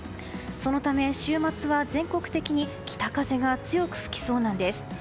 そのため、週末は全国的に北風が強く吹きそうなんです。